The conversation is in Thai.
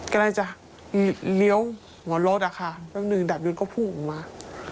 ก็เลยจะเลี้ยวหว่อนรถอ่ะค่ะแปปนึงดับยุนก็พุ่งออกมา